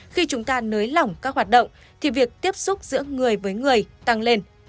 khi chúng ta nới lỏng các hoạt động thì việc tiếp xúc giữa người với người tăng lên